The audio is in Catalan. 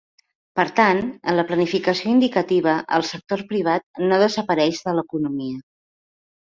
Per tant, en la planificació indicativa el sector privat no desapareix de l'economia.